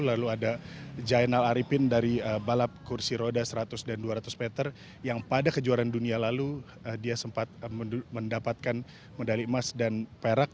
lalu ada jainal arifin dari balap kursi roda seratus dan dua ratus meter yang pada kejuaraan dunia lalu dia sempat mendapatkan medali emas dan perak